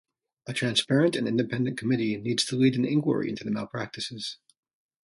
A transparent and independent committee needs to lead an enquiry into the malpractices.